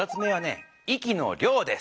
「息の量」です。